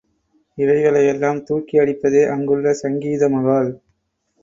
இவைகளை எல்லாம் தூக்கி அடிப்பதே அங்குள்ள சங்கீத மகால்.